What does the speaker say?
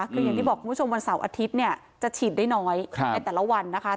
คืออย่างที่บอกคุณผู้ชมวันเสาร์อาทิตย์เนี่ยจะฉีดได้น้อยในแต่ละวันนะคะ